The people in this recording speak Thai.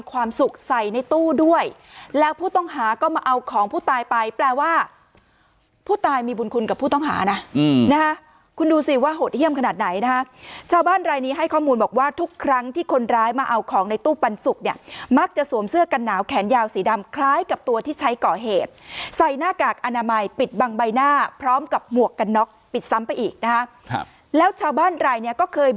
ความสุขใส่ในตู้ด้วยแล้วผู้ต้องหาก็มาเอาของผู้ตายไปแปลว่าผู้ตายมีบุญคุณกับผู้ต้องหานะคุณดูสิว่าหดเหี้ยมขนาดไหนนะชาวบ้านรายนี้ให้ข้อมูลบอกว่าทุกครั้งที่คนร้ายมาเอาของในตู้ปันสุกเนี่ยมักจะสวมเสื้อกันหนาวแขนยาวสีดำคล้ายกับตัวที่ใช้ก่อเหตุใส่หน้ากากอนามัยปิดบางใบหน้าพร้อมกับหมวกก